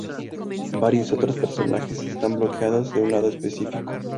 Varios otros personajes están "bloqueados" en un lado específico.